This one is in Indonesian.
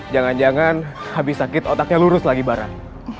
jangan jangan habis sakit otaknya lurus lagi barang